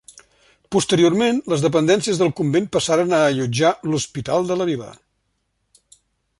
Posteriorment, les dependències del convent passaren a allotjar l'Hospital de la Vila.